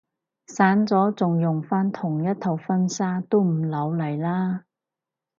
散咗仲用返同一套婚紗都唔老嚟啦